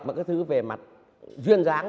một cái thứ về mặt duyên dáng